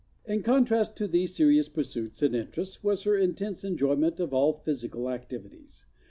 In contrast to these serious pursuits and interests was her intense enjoyment of all physical activities.